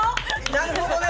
なるほどね！